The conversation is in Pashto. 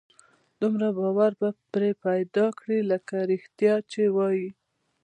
دومره باور به پرې پيدا کړي لکه رښتيا چې وي.